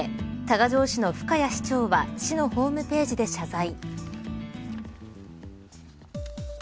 多賀城市の深谷市長は市のホームページで謝罪。